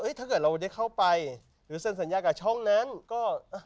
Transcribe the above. ถ้าเกิดเราได้เข้าไปหรือเซ็นสัญญากับช่องนั้นก็